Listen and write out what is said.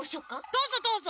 どうぞどうぞ！